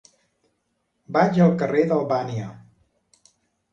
Vaig al carrer d'Albània.